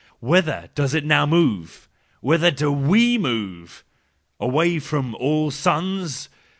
Whither does it now move? Whither do we move? Away from all suns?